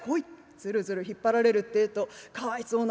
ずるずる引っ張られるってえとかわいそうなもんだよな。